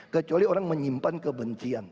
kecuali orang menyimpan kebencian